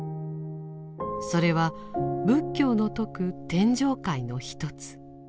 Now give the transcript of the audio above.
それは仏教の説く天上界の一つ。